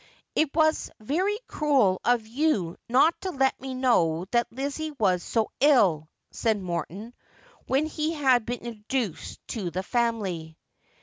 ' It was very cruel of you not to let me know that Lizzie •was so ill,' said Morton, when he had been introduced to the family.